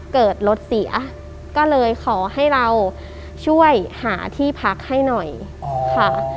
เกิดรถเสียก็เลยขอให้เราช่วยหาที่พักให้หน่อยค่ะ